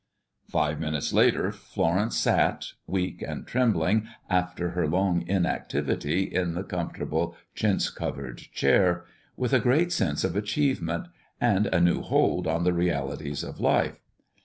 Five minutes later, Florence sat, weak and trembling after her long inactivity, in the comfortable chintz covered chair, with a great sense of achievement and a new hold on the realities of life.